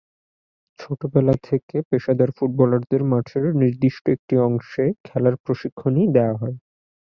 ছোটবেলা থেকে পেশাদার ফুটবলারদের মাঠের নির্দিষ্ট একটি অংশে খেলার প্রশিক্ষণই দেওয়া হয়।